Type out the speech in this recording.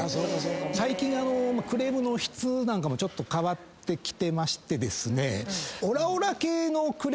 最近クレームの質なんかもちょっと変わってきてまして。